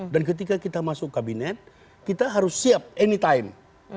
dan ketika kita masuk kabinet kita harus siap anytime